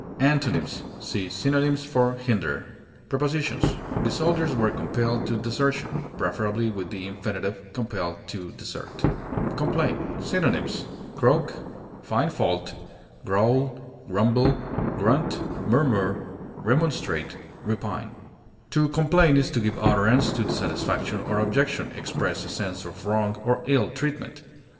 Antonyms: See synonyms for HINDER. Prepositions: The soldiers were compelled to desertion: preferably with the infinitive, compelled to desert. COMPLAIN. Synonyms: croak, growl, grunt, remonstrate, find fault, grumble, murmur, repine. To complain is to give utterance to dissatisfaction or objection, express a sense of wrong or ill treatment.